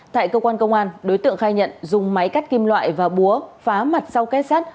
tại cơ quan công an đối tượng khai nhận dùng máy cắt kim loại và búa phá mặt sau kết sát